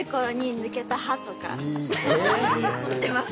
持ってます